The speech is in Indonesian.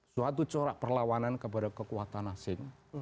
suatu corak perlawanan kepada kekuatan asing